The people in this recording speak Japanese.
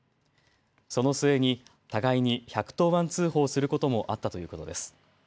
その末に互いに１１０番通報することもあったということです。